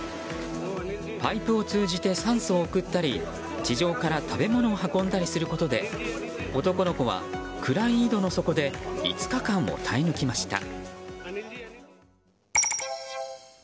パイプを通じて酸素を送ったり地上から食べ物を運んだりすることで男の子は暗い井戸の底で５日間を耐え抜きました。